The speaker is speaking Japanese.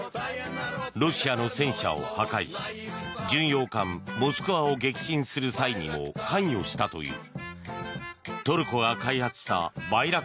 ロシアの戦車を破壊し巡洋艦「モスクワ」を撃沈する際にも関与したという。